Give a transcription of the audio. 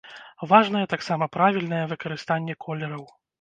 Важнае таксама правільнае выкарыстанне колераў.